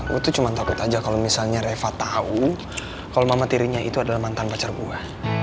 aku tuh cuma takut aja kalau misalnya reva tahu kalau mama tirinya itu adalah mantan pacar buah